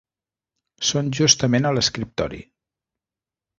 Són justament a l'escriptori.